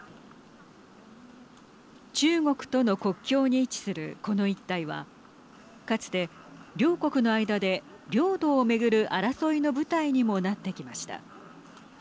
中国との国境に位置するこの一帯はかつて、両国の間で領土を巡る争いの舞台にもなってきました。